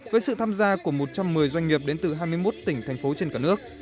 với sự tham gia của một trăm một mươi doanh nghiệp đến từ hai mươi một tỉnh thành phố trên cả nước